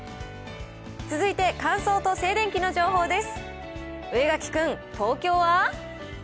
続いて乾燥と静電気の情報です。